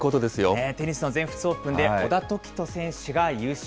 テニスの全仏オープンで、小田凱人選手が優勝。